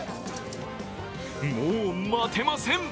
もう待てません。